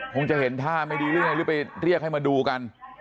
คงจะเห็นท่าไม่ดีเรียกให้มาดูกัน